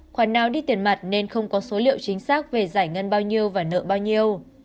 khoản nào đi tiền mặt nên không có số liệu chính xác về giải ngân bao nhiêu và nợ bao nhiêu